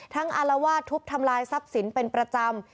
อารวาสทุบทำลายทรัพย์สินเป็นประจำ